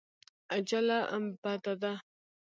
عجله بده ده.